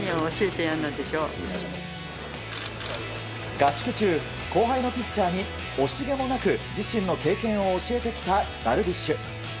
合宿中、後輩のピッチャーに惜しげもなく自身の経験を教えてきたダルビッシュ。